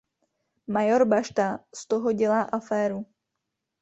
Major Bašta z toho dělá aféru.